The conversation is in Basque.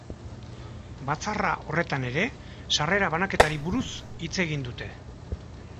Batzarra horretan ere sarrera banaketari buruz hitz egin dute.